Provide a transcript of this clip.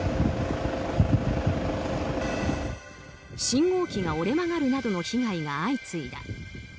信号機が折れ曲がるなどの被害が相次いだ。